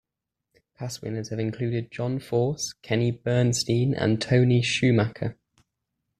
Past winners have included John Force, Kenny Bernstein, and Tony Schumacher.